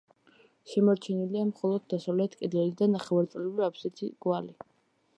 შემორჩენილია მხოლოდ დასავლეთ კედელი და ნახევარწრიული აბსიდის კვალი.